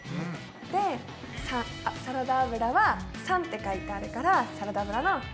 でサラダ油は③って書いてあるからサラダ油の「ダ」。